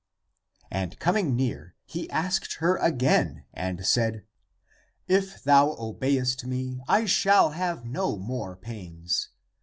And coming near, he asked her again, and said, "If thou obeyest me, I shall have no more pains.